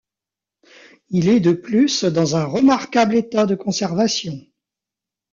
Il est de plus dans un remarquable état de conservation.